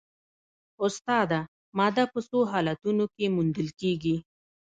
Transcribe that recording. استاده ماده په څو حالتونو کې موندل کیږي